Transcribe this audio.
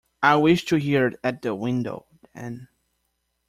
I wish to hear it at the window, then.